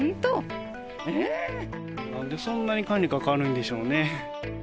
なんでそんなに管理が軽いんでしょうね。